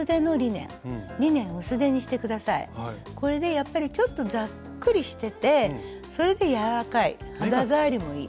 やっぱりちょっとザックリしててそれで柔らかい肌触りもいい。